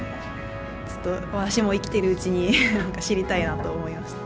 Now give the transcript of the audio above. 私も生きてるうちに知りたいなと思いました。